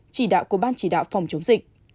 chỉ đạo của ban chỉ đạo phòng chống dịch